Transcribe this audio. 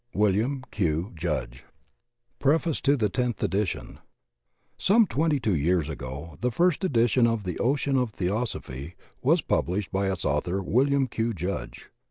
William Q. Judge i PREFACE TO TENTH EDITION SOME twenty two years ago, the first edition of "The Ocean of Theosophy" was published by its author, Wm. Q. Judge.